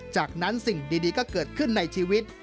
จากนั้นสิ่งดีก็เกิดขึ้นในชีวิต